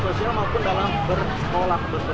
bersenang maupun dalam berkol observer